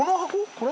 これ？